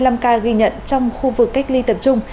ba mươi năm ca ghi nhận trong khu vực cách ly tập trung